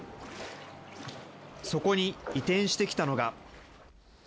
そこに移転してきたのが。